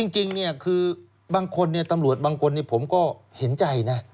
จริงคือบางคนตำรวจบางคนผมก็เห็นใจนะ